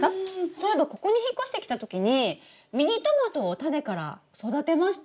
そういえばここに引っ越してきた時にミニトマトをタネから育てましたね。